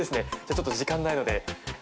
ちょっと時間ないので。